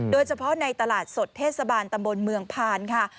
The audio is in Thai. โดยเฉพาะในตลาดสดเทศบาลตำบลเมืองพานค่ะ